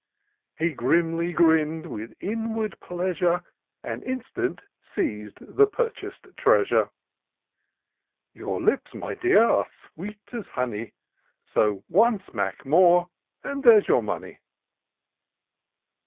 Axa He grimly grinn'd, with inward pleasure. And instant seiz'd the purchas'd treasure. " Your lips, my dear, are sweet as honey : So one smack more — and there's your money."